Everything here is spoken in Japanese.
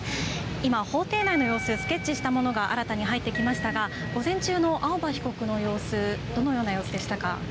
今、法廷内の様子、スケッチしたものが新たに入ってきましたが午前中の青葉被告の様子、どのような様子でしたか。